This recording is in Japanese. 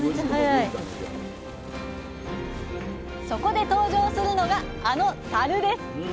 そこで登場するのがあの「たる」です。